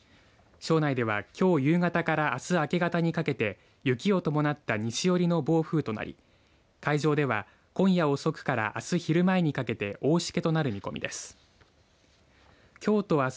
庄内では、きょう夕方からあす明け方にかけて雪を伴った西寄りの暴風となり海上では今夜遅くからあす昼前にかけて大しけとなる見込みです。